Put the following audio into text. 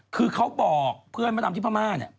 คือเขาบอกเพื่อนมะดำที่พม่าเนี่ย